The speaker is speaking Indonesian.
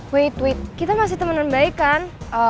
wait wait kita masih temenan baik kan